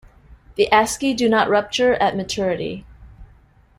The asci do not rupture at maturity.